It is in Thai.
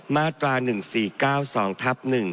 มาตรา๑๔๙๒ทับ๑